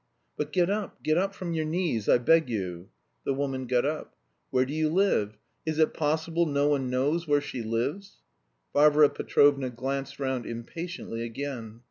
"But get up, get up from your knees I beg you!" The woman got up. "Where do you live? Is it possible no one knows where she lives?" Varvara Petrovna glanced round impatiently again.